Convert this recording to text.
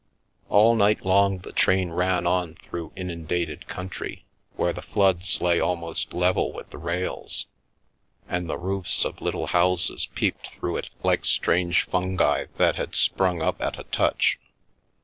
All night long the train ran on through inundated country, where the floods lay almost level with the rails, and the roofs of little houses peeped through it like strange fungi that had sprung up at a touch.